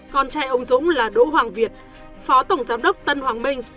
con trai ông dũng là đỗ hoàng việt phó tổng giám đốc tân hoàng minh